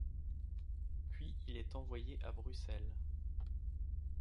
Puis il est envoyé à Bruxelles.